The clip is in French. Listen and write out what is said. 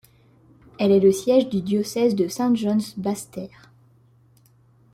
Elle est le siège du diocèse de Saint John's-Basseterre.